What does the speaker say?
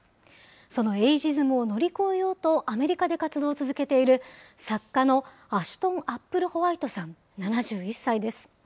そのエイジズムを乗り越えようと、アメリカで活動を続けている作家のアシュトン・アップルホワイトさん７１歳です。